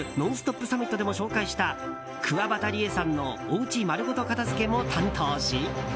サミットでも紹介したくわばたりえさんのおうち丸ごと片付けも担当し。